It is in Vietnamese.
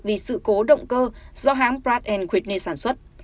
vì sự cố động cơ do hãng pratt whitney sản xuất